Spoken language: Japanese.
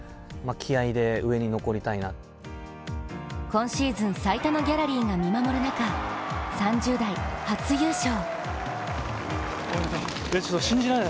今シーズン最多のギャラリーが見守る中３０代初優勝。